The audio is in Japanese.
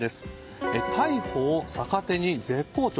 逮捕を逆手に絶好調！？